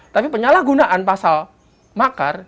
tapi penyalahgunaan pasal makar